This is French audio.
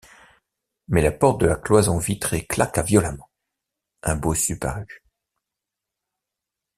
Mais la porte de la cloison vitrée claqua violemment, un bossu parut.